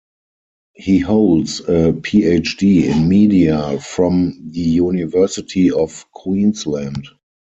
He holds a PhD in Media from The University of Queensland.